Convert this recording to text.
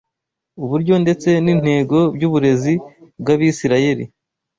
uburyo ndetse n’intego by’uburezi bw’Abisirayeli